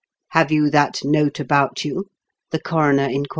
"Have you that note about you?" the coroner inquired.